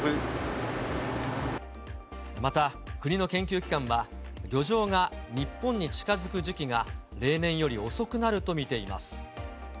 また国の研究機関は、漁場が日本に近づく時期が、例年より遅くなると見ています。